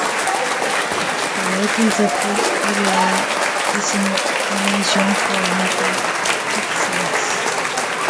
The lake is a popular destination for winter Texans.